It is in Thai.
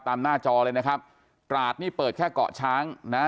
หน้าจอเลยนะครับตราดนี่เปิดแค่เกาะช้างนะ